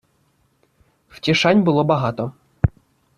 Втішань було багато.